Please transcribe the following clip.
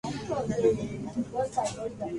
Hajime Ishii